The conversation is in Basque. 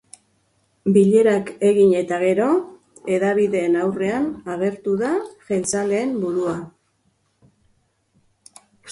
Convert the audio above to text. Bilerak egin eta gero, hedabideen aurrean agertu da jeltzaleen burua.